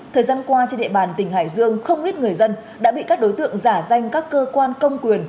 thời gian qua trên địa bàn tỉnh hải dương không ít người dân đã bị các đối tượng giả danh các cơ quan công quyền